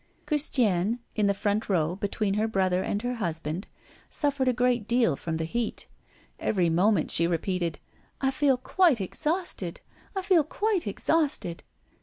Christiane in the front row, between her brother and her husband, suffered a great deal from the heat. Every moment she repeated: "I feel quite exhausted! I feel quite exhausted!"